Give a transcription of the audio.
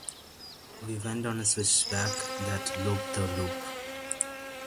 We went on a switchback that looped the loop.